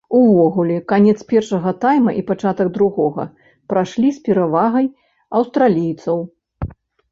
Увогуле, канец першага тайма і пачатак другога прайшлі з перавагай аўстралійцаў.